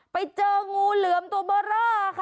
ไปเจองูเหลือมตัวบลอร์เภอร์ฟค่ะ